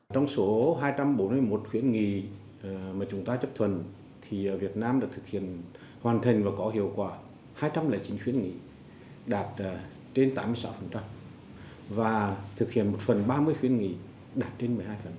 trong số hai trăm bốn mươi một khuyến nghị mà chúng ta chấp thuận thì việt nam đã thực hiện hoàn thành và có hiệu quả hai trăm linh chín khuyến nghị đạt trên tám mươi sáu và thực hiện một phần ba mươi khuyến nghị đạt trên một mươi hai